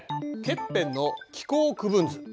ケッペンの気候区分図。